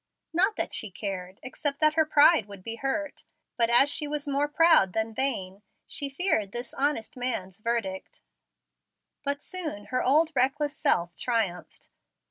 Not that she cared, except that her pride would be hurt. But as she was more proud than vain, she feared this honest man's verdict. But soon her old reckless self triumphed.